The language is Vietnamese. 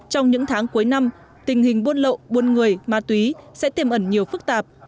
trong những tháng cuối năm tình hình buôn lậu buôn người ma túy sẽ tiềm ẩn nhiều phức tạp